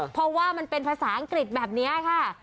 เพราะว่ามันเป็นภาษาอังกฤษแบบนี้ค่ะ